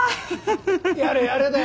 やれやれだよ。